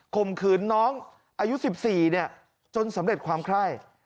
ข่มขืนน้องอายุ๑๔จนสำเร็จความไข้